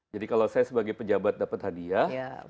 jadi kalau saya sebagai pejabat dapat hadiah